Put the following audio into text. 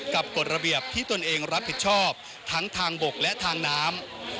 กฎระเบียบที่ตนเองรับผิดชอบทั้งทางบกและทางน้ำ